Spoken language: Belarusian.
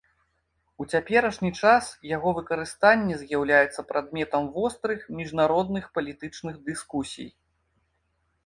У цяперашні час яго выкарыстанне з'яўляецца прадметам вострых міжнародных палітычных дыскусій.